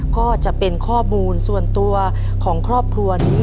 ก็จะเป็นข้อมูลส่วนตัวของครอบครัวนี้